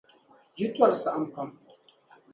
Yi tɔri saɣim pam.